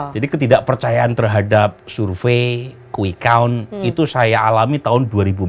jadi ketidakpercayaan terhadap survei quick count itu saya alami tahun dua ribu empat